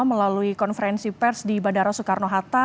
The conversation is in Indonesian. melalui konferensi pers di bandara soekarno hatta